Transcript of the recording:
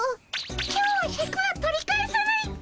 今日はシャクは取り返さないっピ。